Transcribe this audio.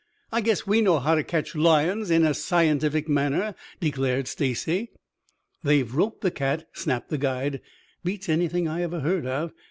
I guess we know how to catch lions in a scientific manner," declared Stacy. "They've roped the cat," snapped the guide. "Beats anything I ever heard of."